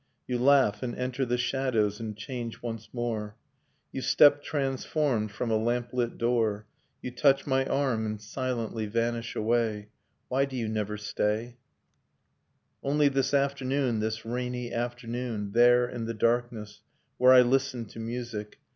You laugh and enter the shadows and change once more. You step transformed from a lamplit door. You touch my arm and silently vanish away. .. Why do you never stay ?... Nocturne of Remembered Spring Only this afternoon, this rainy afternoon, There, in the darkness, where I Hstened to music.